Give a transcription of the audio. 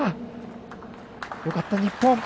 よかった、日本。